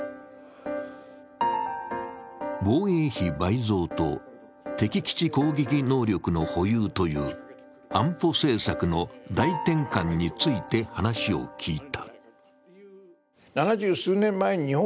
防衛費倍増と敵基地攻撃能力の保有という安保政策の大転換について話を聞いた。